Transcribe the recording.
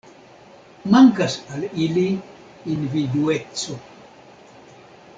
Mankas al ili individueco.